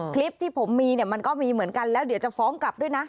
คลิปที่ผมมีเนี่ยมันก็มีเหมือนกันแล้วเดี๋ยวจะฟ้องกลับด้วยนะ